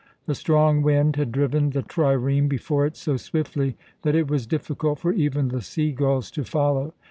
The strong wind had driven the trireme before it so swiftly that it was difficult for even the sea gulls to follow.